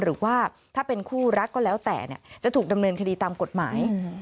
หรือว่าถ้าเป็นคู่รักก็แล้วแต่จะถูกดำเนินคดีตามกฎหมาย